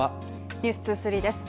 「ｎｅｗｓ２３」です